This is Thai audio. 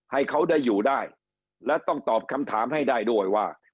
ให้เขาได้อยู่ได้และต้องตอบคำถามให้ได้ด้วยว่า